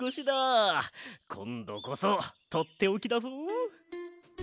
こんどこそとっておきだぞ！